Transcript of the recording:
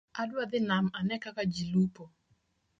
Adwa dhi nam ane kaka ji lupo